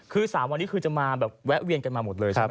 คือ๓วันนี้คือจะมาแบบแวะเวียนกันมาหมดเลยใช่ไหม